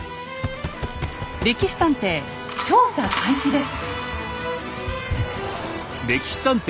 「歴史探偵」調査開始です。